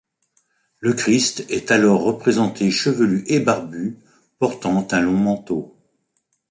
Le Christ est alors représenté chevelu et barbu, portant un long manteau.